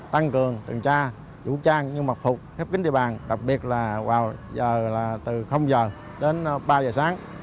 tăng cường tuần tra vũ trang như mặc phục khép kính địa bàn đặc biệt là từ h đến ba h sáng